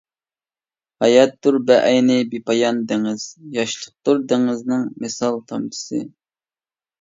ھاياتتۇر بەئەينى بىپايان دېڭىز، ياشلىقتۇر دېڭىزنىڭ مىسال تامچىسى.